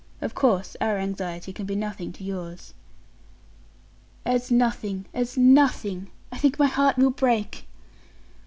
Of course our anxiety can be as nothing to yours." "As nothing as nothing. I think my heart will break."